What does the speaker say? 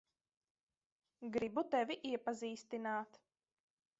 Gribu tevi iepazīstināt.